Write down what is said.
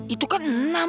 itu kan enam